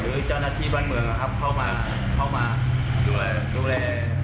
หรือเจ้าหน้าที่บ้านเมืองนะครับเข้ามาดูแล